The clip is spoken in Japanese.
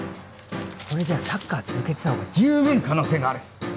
これじゃサッカー続けてたほうが十分可能性がある。